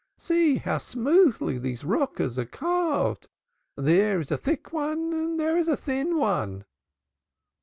See how smoothly these rockers are carved! There is a thick one, and there is a thin one!"